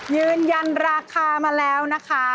ยืนยันราคามาแล้วนะคะ